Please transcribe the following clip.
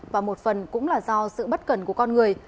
và một phần cũng là do sự bất cần của con người